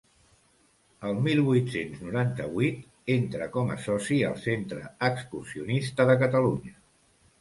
El mil vuit-cents noranta-vuit entra com a soci al Centre Excursionista de Catalunya.